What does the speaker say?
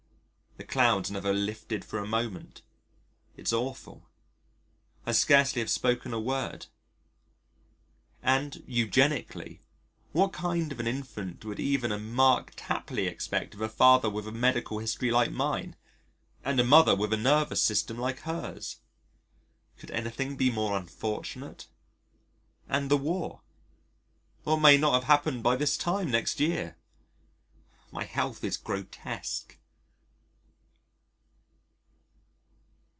The clouds never lifted for a moment it's awful. I scarcely have spoken a word.... And eugenically, what kind of an infant would even a Mark Tapley expect of a father with a medical history like mine, and a mother with a nervous system like hers?... Could anything be more unfortunate? And the War? What may not have happened by this time next year? My health is grotesque.